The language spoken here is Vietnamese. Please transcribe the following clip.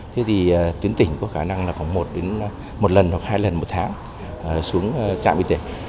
thế thì tuyến tỉnh có khả năng là khoảng một đến một lần hoặc hai lần một tháng xuống trạm y tế